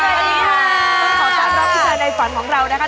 ขอขอบคุณพี่ชายในฝันของเรานะคะ